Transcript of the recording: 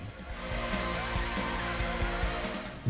pertanyaan yang terakhir